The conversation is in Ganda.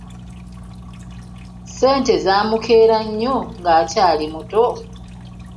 Ssente zaamukeera nnyo ng'akyali muto.